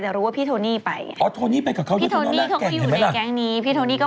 ส่วนใหญ่ก็จะไหว้เจ้านะพี่